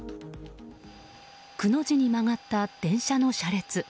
くの字に曲がった電車の車列。